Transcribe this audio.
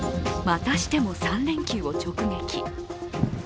またしても３連休を直撃。